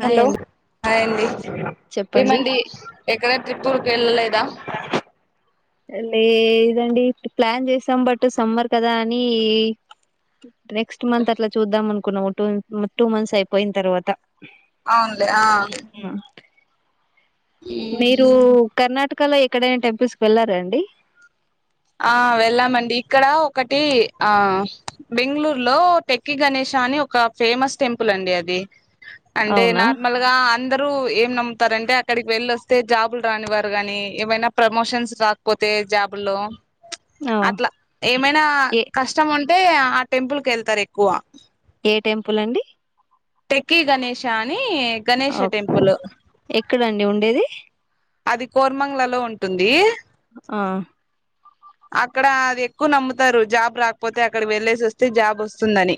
Hi hello అండి చెప్పండి కెళ్ళలేదా లే దండి ప్లాన్ చేసాం బట్ సమ్మర్ కదా అని రెక్స్ట్ మంత్ అట్లా చూద్దా మన్ కొన్ని ఓ టూ టూ మంత్స్ అయిపోయిన తర్వాత అవునులే ఆ మీరు కర్ణాట్ గ్గరలో ఎక్కడైనా టెంపుల్స్ కి వెళ్ళారా అండి ఆ వెళ్ళామండి ఇక్కడ ఒకటి ఆ బెంగళూరులో టెక్కి గణేషా అని ఒక ఫేమస్ టెంపుల్ అండి అది అంటే అవునా నార్మల్ గా అందర్ రూ ఏం నమ్ముతారంటే అక్కడికి వెళ్లొస్తే జాబులు రానివారు కాని ఏమైనా ప్రమోషన్స్ రాకపోతే జాబుల్లో ఆ అట్లా ఏమైనా ఏ కష్టం ఉం టే ఆ టెంపుల్ కెళ్తారు ఎక్కువ. ఏ టెంపుల్ అండి? టెక్కీ గణేేషా అన్ ఓ ఎక్కడండి ఉండేది? ఆ అది కోర్మంగ్లలో ఉంటుంది. ఆ అక్కడ అది ఎక్కువ నమ్ముతారు. జాబ్ రాకపోతే అక్కడికి వెళ్ళేసి వస్తే జాబ్ వస్తుందని.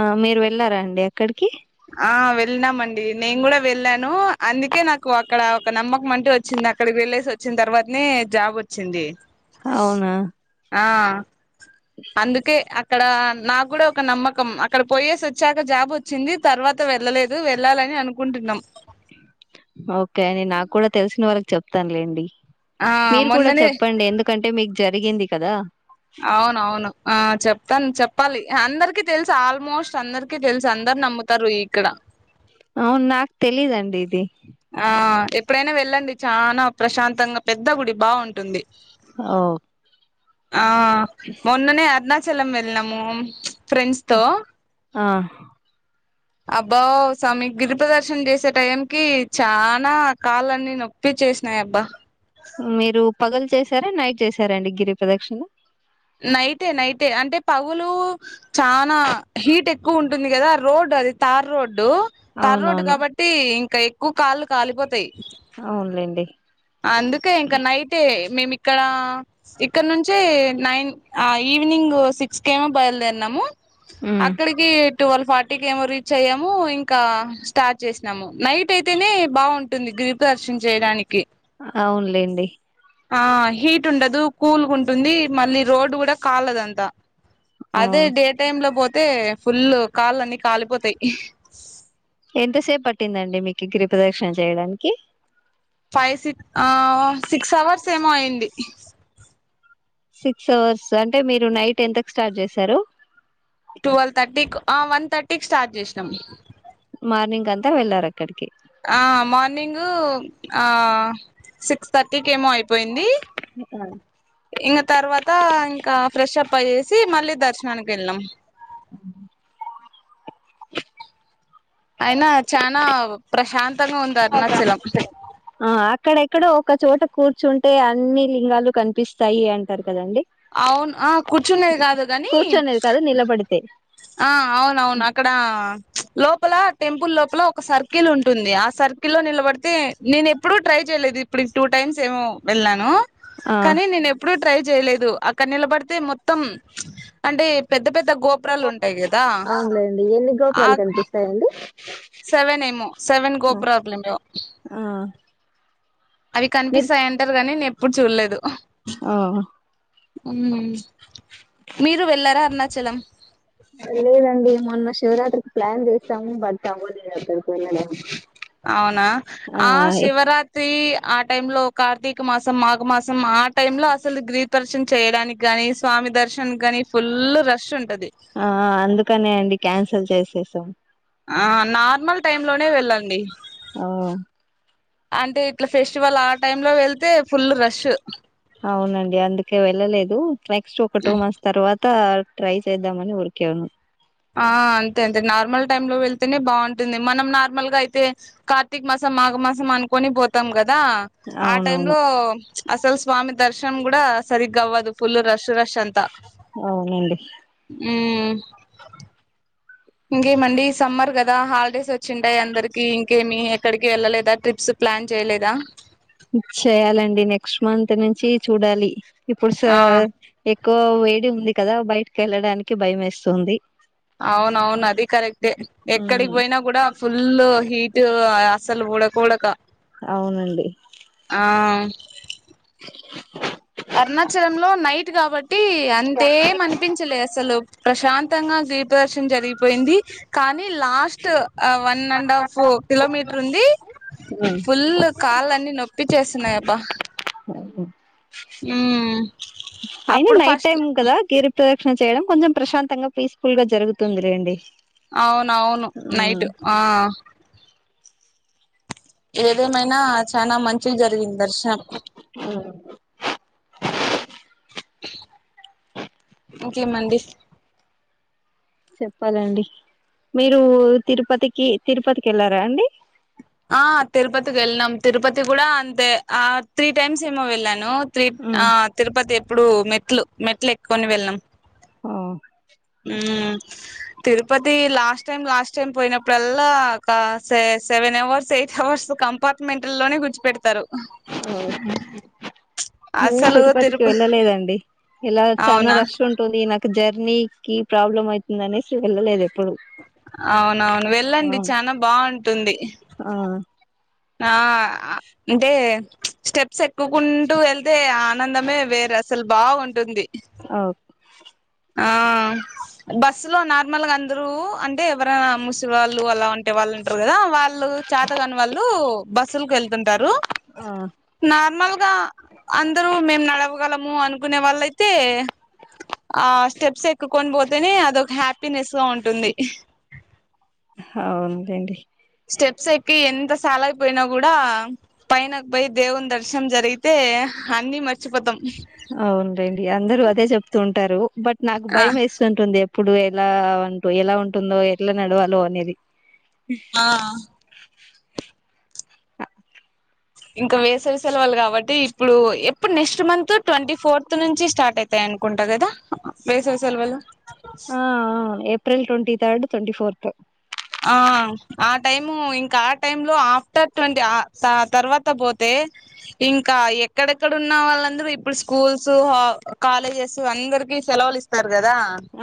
ఆ మీరు వెళ్ళారా అండి అక్కడికి? ఆ వెళ్ళినామండి నేను కూడా వెళ్ళాను. అందుకే నాకు అక్కడ ఒక నమ్మకం అంటే వచ్చింది అక్కడికి వెళ్ళసి వచ్చిన తర్వాతనే జాబ్ వచ్చింది. అవునా ఆ అందుకే అక్ క్కడ నాక్కూడా ఒక నమ్మకం అక్కడ పోయేసి వచ్చాక జాబ్ వచ్చింది తర్వాత వెళ్ళలేదు వెళ్ళాలని అనుకుంటున్నాం. ఓక్కే అండి నాక్కూడా తెలిసిన వాళ్ళకి చెప్తానులేండి. ఆ మీరు కూడా మొన్ననే చెప్పండి ఎందుకంటే మీక్ జరిగింది కదా అవునవును ఆ చెప్ తను చెప్పాలి అందరిక తెలుసు ఆల్మోస్ట్ అందరికి తెలుసు అందరు నమ్ముతారు ఇక్కడ అవును నాకు తెలీదండి ఇది ఆ ఎప్పుడైనా వెళ్ళండి చానా ప్రశాంతంగా పెద్ద గుడి బాగుంటుంది ఓ ఆ మొన్ననే అర్నా చలం వెల్నము ఫ్రెండ్స్ తో ఆ అబ్బో సమి గిరిపదర్శన చేసే టైం క చానా కాళ్ళన్ని నొప్పిచ్చేసినాయి అబ్బా మీరు పగలు చేశారా నైట్ చేసారండి గిరి ప్రదక్షిణ నైటే నైటే అంటే పగులు చానా హీట్ ఎక్కువ ఉంటుంది కదా రోడ్డు అది తార్ రోడ్ డు తర్రోడ్ అవునవును కాబట్టి ఇంక ఎక్కువ కాళ్ళు కాలిపోతాయి అవునులేండి అందుకే ఇంకా నైటే మేమి ఇక్కడ ఇక్కడ నుంచే నైన్ ఈవినింగ్ సిక్స్కేమో బయలుదేరినాము ఉమ్ అక్కడికి టువల్ ఫార్ ఇకి ఏమో రీచ్ అయ్యాము ఇంకా స్టార్ట్ చేసినాము నైట్ అయితేనే బాగుంటుంది గిరి ప్రదక్షిణ చేయడానికి అవునులేండి ఆ హీట్ ఉండదు కూల్గుంటుంది మళ్ళీ రోడ్ కూడా కాలదంత ఆ అదే డే టైమ్ లో పోత్ తే ఫుల్లర్ కాళ్ళన్నీ కాలిపోతాయి [inaudible] ఎంతసేపు పట్టిందండి మీకి గిరిపదక్షిణ చేయడానికి ఫైవ్ సిక్ ఆ సిక్స్ అవర్స్ ఏమో అయింది సిక్స్ అవర్స్ అంటే మీరు నైట్ ఎంతకు స్టార్ట్ చేశారు టువల్ థర్టీకి ఆ వన్ థర్టీకి స్టార్ట్ చేసినాం మార్నింగ్ అంతా వెళ్ళారు అక్కడికి ఆ మార్నింగు ఆ సిక్స్ థర్టీకి ఏమో అయి పోయింది ఇంగ తర్వాత ఇంకా ప్రెషప్ అయ్యేసి మళ్ళీ దర్శ్ ర్శనానికెల్లం అ అయినా చానా ప్రశాంత్ ఆ అక్కడెక్కడో ఒక చోట కూర్చున్ టే అన్ని లింగాలు కనిపిస్తాయి అంటారు కదండి అవును ఆ కూర్చునేది కాదు కాని కూర్చొనేది కాదు నిలబడితే ఆ అవును అవును అక్కడ లోపల టెంపుల్ లోపల ఒక సర్కిల్ ఉంటుంది ఆ సర్కిల్ లో నిలబడితే నేను ఎప్పుడూ ట్రై చేయలేదు ఇప్పుడు టూ టైమ్స్ ఏమో వెళ్ళాను ఆ కానీ నేను ఎప్పుడు ట్రై చేయలేదు అక్కడ నిలబడితే మొత్తం అంటే పెద్ద పెద్ద గోపురాలు ఉంటాయి కదా అవునులే అండి ఎన్ని ఆ గోపురాలు కనిపిస్తాయండి సెవెన్ ఏమో సెవెన్ ఆ గోపురార్లమో ఆ, అవి మీరు కనిపిస్తాయి అంటారు గానీ నే ప్పుడు చూడలేదు ఆ మ్మ్ మీరు వెళ్ళరా అర్ణ చలం లేదండి మొన్న శివరాత్రికి ప్లాన్ చేసాము బట్ అవ్వలేదు అక్కడికి వెళ్ళడానికి అవునా ఆ శివరాత్రి ఆ టైమ్ లో కార్తీక మాసం మాఘమాసం సం ఆ టైమ్ లో అసలు గ్రీ ప్రదర్శన్ చేయడానికి కాని స్వామి దర్శన్ కానీ ఫుల్ రష్ ఉంట్ ఆ అందుకనే అండి క్యాన్సల్ చేసేసాం ఆ నార్మల్ టైమ్ లోనే వెళ్ళండి ఆ అంటే ఇట్లా ఫెస్టివల్ ఆ టైమ్ లో వెళ్తే ఫుల్ రష్ అవునండి అందుకే వెళ్ళలేదు నెక్స్ట్ ఒక టూ మంత్స్ తర్వాత త ట్రై చేద్దామని ఊరికే ఉన్నాం ఆ అంతే అంతే నార్మల్ టైమ్ లో వెళ్తేనే బాగుంటుంది మనం నార్మల్ గా అయితే కార్తీక మాసం మాఘ మాసం అనుకొని పోతాం కదా దా ఆ టైమ్ అవునవును లో అసలు స్వామి దర్శనం కూడా సరిగ్గా అవ్వదు ఫుల్ రష్ రష్ అవునండి మ్మ్ ఇంకేమండి సమ్మర్ కదా హాలిడేస్ వచ్చింటాయ్ అందరికి ఇంకేమి ఎక్కడికి వెళ్ళలేదా ట్రిప్స్ ప్లాన్ చేయలేదా చేయాలండి నెక్స్ట్ మంత్ నుంచి చూడాలి ఇప్పుడు స ఆ ఏ క్కువ వేడి ఉంది కదా బయటికి వెళ్ళడానికి భయం వేస్తుంది. అవునవును అది కరెక్టే ఎక్కడికి పోయినా కూడా ఫుల్ హీటు ఆ సలు ఉడక ఉడక అవునండి ఆ అరుణాచలం లో నైట్ కాబట్టి అంతేం అనిపించలే అసలు ప్రశాంతంగా దప జరిగిపోయింది కానీ కానీ last one and half kilometre ఉంది ఫుల్ కాలన్ని నొప్పి చేస్తున్నాయి అబ్బా హ్మ్ అయినా నైట్ టైమ్ కదా గిరి ప్రదక్షిణ చేయడం కొంచెం ప్రశాంతంగా పీస్ఫుల్ గా జరుగుతుంది లేండి అవునవును నైట్ ఉమ్ ఆ ఏదేమైనా చానా మంచి జరిగింది దర్శం ఇంకేమండి చెప్పాలండి మీరు తిరుపతికి తిరుపతికి వెళ్ళారా అండి ఆ తిరుపతికి వెళ్ళనాం తిరుపతి కూడా అంతే ఆ త్రీ టైమ్స్ ఏమో వెళ్ళాను తి ఉమ్ ఆ తిరుపతి ఎప్పుడు మె మెట్లు మెట్లు ఎక్కుకొని వెళ్ళాం ఆ ఉమ్ Tirupati last time last time పోయినప్పుడల్లా ఒక seven hours eight hours compartment లోనే గుర్చిపెడుత ఓ నేను అసలు తిరుపతికి తిరుప వెళ్ళలేదండి ఇలా చాలా అవునా రష్ ఉంటుంది నాకు జర్నీ కి ప్రాబ్లం ఆయితుంది అనేసి వెళ్ళలేదు ఎప్పుడు అవునవును ఆ వెళ్ళండి చానా బాగుంటుంది ఆ అంటే స్టెప్ ఎక్కుకుంటూ వెళ్తే ఆ ఆనందమే వేర అసలు బాగుంట ఉంటుంది ఓకే ఆ బస్సు లో నార్మల్గా అందరు అంటే ఎవరైనా ముూసేవాళ్ళు అలా ఉంటే వాళ్ళు ఉంటారు కదా వాళ్ళు చేతగాని వాళ్ళు బస్ సీల్ కి వెళ్తుంటారు ఆ నార్మల్గా అందరూ మేము నడవగలము అనుకునే వాళ్ళ అయితే ఆ స్టెప్స్ ఎక్కుకొని పోత్ నే అదే ఒక హ్యాపీనెస్ గా ఉంటుంది అవునులేండి స్టెప్స్ ఎక్కి ఎంత. తాలైపోయినా గూడా పైనక్ బోయ్ దేవుని దర్శనం జరిగితే అన్నీ మర్చిపోతాం. అవునులేండి అందరూ అదే చెప్తూ ఉంటారు బట్. నాకు ఆ భయం వేస్తుంటుంది. ఇప్పుడు ఎలా అంటూ ఎలా ఉంటుందో ఎట్లా నడవాలో అనేది. ఆ. ఇంకా వేసవి సెల్వల్ గాబట్టి ఇప్పుడు ఎప్పుడు నెక్స్ట్ మంత్ ట్వంటీ ఫోర్త్ నుంచి స్టార్టైతై అనుకుంటా గదా వేసవి సెలవులు. ఆఆ April twenty third twenty fourth. టు. ఆ ఆ టైము ఇంకా ఆ టైమ్ లో ఆఫ్టర్ ట్వంటీఆ సా తర్వాత పోతే ఇంకా ఎక్కడెక్కడ ఉన్న వాళ్ళందరూ ఇప్పుడు స్కూల్స్ హా కాలేజెస్ అందరికి సెలవులు ఇస్తారు. గదా.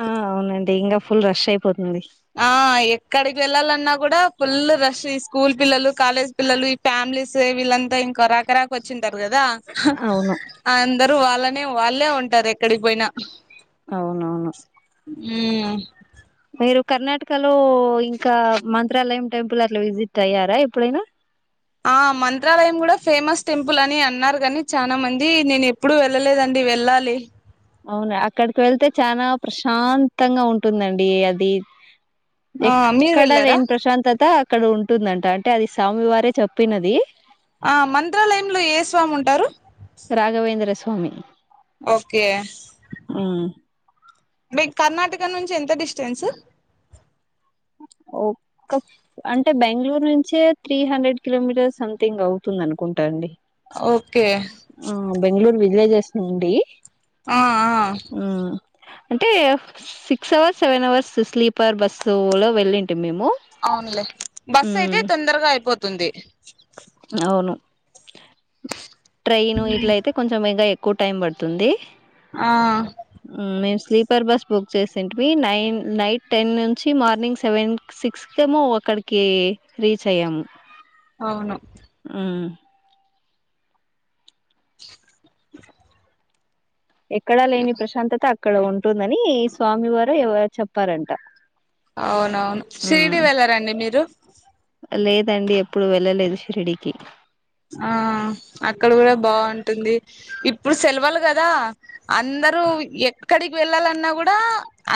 ఆ అవునండి ఇంగా ఫుల్ రష్ ఐపోతుంది. ఆ ఎక్కడికి వెళ్ళాలన్నా కూడా ఫుల్ రష్ ఈ స్కూల్ పిల్లలు కాలేజ్ పిల్లలు ఈ ఫ్యామిలీస్ వీళ్ళంతా ఇంక రాకరాక వచ్చింది. టర్ గదా హా అవును అందరూ వాళ్ళ. అనే వాళ్ళే ఉంటారు ఎక్కడికి బోయిన. అవునవును. ఉమ్. మీరు కర్ణాటకలో ఇంకా మంత్రాలయం టెంపుల్ అట్లా విజిట్ అయ్యారా ఎప్పుడైనా. ఆ మంత్రాలయం గూడా ఫేమస్ టెంపుల్ అని అన్నారు గాని చానా మంది నేనెప్పుడు వెళ్ళలేదండి వెళ్ళాలి. అవును అక్కడికి వెళ్తే చనా ప్రశాంతంగా ఉంటుందండి అది. ఆ మీరు ఎక్కడ వెళ్ళారా లేని ప్రశాంతత అక్కడ ఉం. ఉంటుందంట అంటే అది స్వామి వారే చెప్పినది. ఆ మంత్రాలయంలో ఏ స్వామి ఉంటారు. రాఘవేంద్ర స్వా. భమి. ఓకే. మీ కర్ణాటక నుంచి ఎంత డిస్టెన్సు. ఓక్క అం. టే బెంగళూరు నుంచే త్రీ హండ్రెడ్ కిలోమీటర్ సంథింగ్ అవుతుంది అనుకుంటా అండి. ఓకే. ఆ బెంగళూరు విలేజెస్ నుండి. ఆ ఆ. మ్ అంటే six hours seven hours sleeper బస్సులో. వెళ్ళింటి మేమ్. అవునులే బస్ ఐతే తొందరగా ఐపోతుంది. ఆ అవును ట్రైన్ ఇట్ల అయితే కొంచెంగా ఎ ఎక్కువ టైం పడుతుంది ఆ మేము స్లీపర్ బస్ బుక్ చేసేంటివి నైన్ నైట్ టెన్ నుంచి మార్నింగ్ సెవెన్ సిక్స్కము అక్కడికి రీచ్ అయ్యాము అవును మ్ ఎక్కడ లేని ప్రశాంతత అక్కడ ఉంటుందని స్వామి వారు చెప్పారంట అవునవును షిరిడి ఉమ్ వెళ్ళారా అండి మీరు లేదండి ఎప్పుడూ వెళ్ళలేదు షిరిడికి ఆ అక్కడ కూడా బావుంటుంది ఇప్పుడు సెలవులు కదా అందరూ ఎక్కడికి వెళ్ళాలన్నా కూడా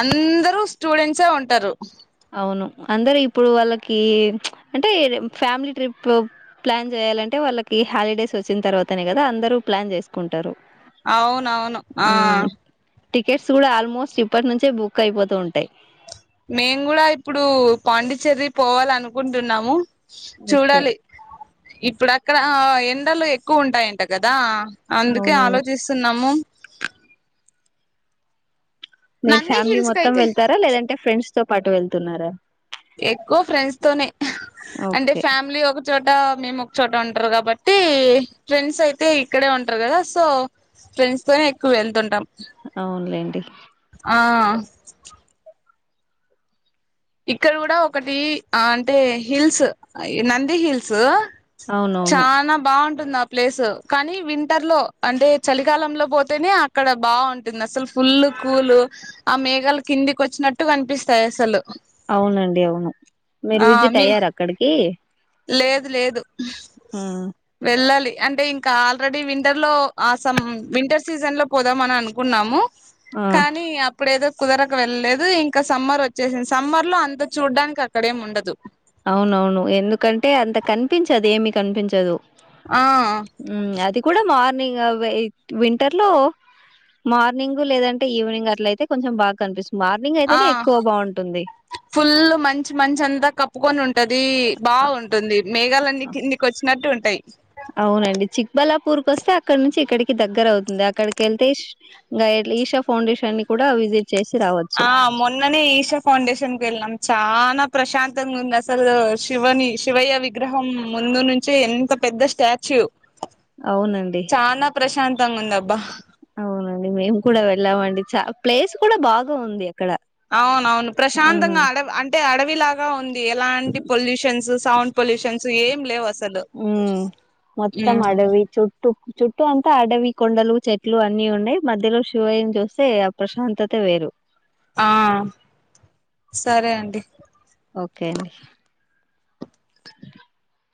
అందరూ స్టూడెంట్సే ఉంటారు అవును అందరూ ఇప్పుడు వాళ్ళకి అంటే ఫ్యామిలీ ట్రిప్ ప్లాన్ చేయాలంటే వాళ్ళకి హాలిడేస్ వచ్చిన తర్వాతనే కదా అందరూ ప్లాన్ చేసుకుంటారు అవునవును ఆ ఉమ్ టికెట్స్ కూడా ఆల్మోస్ట్ ఇప్పటి నుంచే బుక్ ఐపోతూ ఉంటాయి నేను కూడా ఇప్పుడు పాండిచ్చెర్రి పోవాలనుకుంటున్నాము ఓకే చూడాలి ఇప్పుడక్కడ ఎ ఎండలు ఎక్కువ ఉంటాయంట కదా అందుకే అవునవును ఆలోచిస్తున్నాము మీరు నంది ఫ్యామిలీ హిల్స్ మొత్తం కయితే వెళ్తారా లేదంటే ఫ్రెండ్స్ తో పాటు వెళ్తున్నారా ఎక్కువ ఫ్రెండ్స్ తోనే అంటే ఓకే ఫ్యామిలీ ఒక చోట మేం ఒక చోట ఉంటరు కాబట్టి ఫ్రెండ్స్ అయితే ఇక్కడే ఉంటరు కదా సో ఫ్రెండ్స్ తోనే ఎక్కువ వెళ్తుంటాం అవునులేండి ఆ ఇక్కడ కూడా ఒకటి అంటే హిల్స్ ఈ నంది హిల్స్ అవునవును చనా బావుంటుందా ప్లేసు కానీ వింటర్ లో అంటే చలికాలంలో పోతేనే అక్కడ బావుంటుంది అసలు ఫుల్ కూలు ఆ మేఘాలు కిందికి వచ్చినట్టు కనిపిస్తాయి అసలు అవునండి అవును మీరు ఆ విజిట్ మీ అయ్యార అక్కడికి లేదు లేదు ఆ వెళ్ళాలి అంటే ఇంకా ఆల్రెడీ వింటర్ లో ఆ సమ్ వింటర్ సీజన్ లో పోదాం అని అనుకున్నాము ఆ కానీ అప్పుడేదో కుదరక వెళ్ళలేదు ఇంకా సమ్మర్ వచ్చేసింది సమ్మర్ లో అంత చూడ్డానికి అక్కడేం ఉండదు అవును అవును ఎందుకంటే అంత కనిపించదు ఏమి కనిపించదు ఆ మ్మ్ అది కూడా మార్ ని వింటర్ లో మార్నింగ్ లేదంటే ఈవినింగ్ అట్లయితే కొంచెం బాగా కనిపిస్తుంది మార్నింగ్ ఆ అయితేనే ఎక్కువ బావుంటుంది. ఫుల్ మంచ మంచ అంతా కప్పు ఒప్పుకొనింటది అది ఆ! బాగుంటుంది మేఘాలన్నీ ఆ! కిందికి వచ్చినట్టు ఉంటుంది అవునండి చిక్బలా ఊరుక వస్తే అక్కడ నుంచి ఇక్కడికి దగ్గర అవుతుంది అక్కడికి వెళ్తే ఈషా ఫౌండేషన్ కూడా విజిట్ చేసి రావచ్చు. ఆ మొన్ననే ఈశా ఫౌండషన్ కి వెల్ న చానా ప్రశాంతంగా ఉంది అసలు శివని శివయ్య విగ్రహం ముందు నుంచే ఎంత పెద్ద స్టాచ్యూ అవునండి. చానా ప్రశాంత్ తాంగుందాబ్బా అవునండి మేము కూడా వెళ్ళామండి చ ప్లేస్ కూడా బాగా ఉంది అక్కడ. అవునవును హ్మ్. ప్రశాంతంగా అడ అంటే అడ లాగా ఉంది ఎలాంటి పొల్యూషన్స్ సౌండ్ పొల్యూషన్స్ ఏం లేవు అసలు ఉమ్ మొత్తం అడవి చుట్టూ చుట్టూ అంతా అడవి కొండలు చెట్లు అన్నీ ఉండయి మధ్యలో శివయ్యని చూస్తే ఆ ప్రశాంతత వేరు ఆ సరే అండి ఓకే అండి